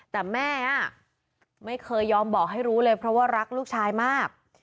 แต่แม่ไม่เคยยอมบอกให้รู้เลยเพราะว่ารักลูกชายมาก